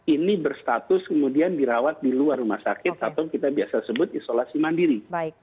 ini berstatus kemudian dirawat di luar rumah sakit atau kita biasa sebut isolasi mandiri